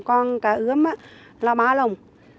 còn cá ướm là ba lồng